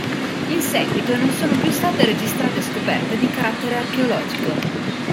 In seguito, non sono più state registrate scoperte di carattere archeologico.